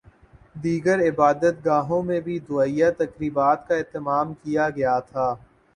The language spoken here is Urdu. دیگر عبادت گاہوں میں بھی دعائیہ تقریبات کا اہتمام کیا گیا تھا